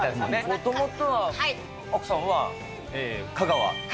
もともとは明子さんは香川？